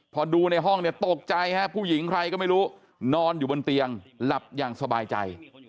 พอดูในห้องเนี่ยตกใจฮะผู้หญิงใครก็ไม่รู้นอนอยู่บนเตียงหลับอย่างสบายใจ